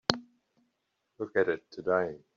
Look at it today.